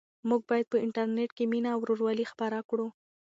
موږ باید په انټرنيټ کې مینه او ورورولي خپره کړو.